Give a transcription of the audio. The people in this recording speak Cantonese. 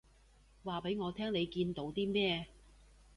話畀我聽你見到啲咩